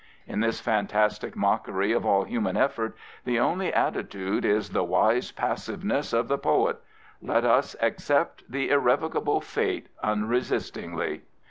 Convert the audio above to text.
In this fantastic mockery of all human effort the only attitude is the wise passiveness " of the poet. Let us accept the irrevocable fate unresistingly.